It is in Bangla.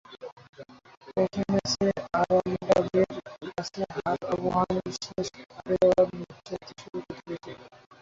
প্রথম ম্যাচে আরামবাগের কাছে হার আবাহনীর শেষ আটে যাওয়াই অনিশ্চিত করে তুলেছিল।